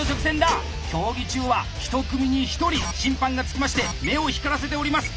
競技中は１組に１人審判がつきまして目を光らせております。